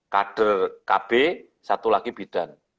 kader kb satu lagi bidan